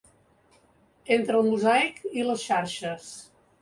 Entre el mosaic i les xarxes.